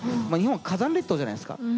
日本は火山列島じゃないですか。